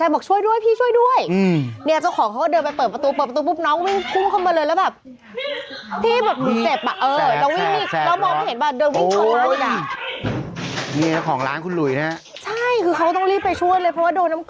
บอกให้เปิดประตูแล้วนะฮะฮืม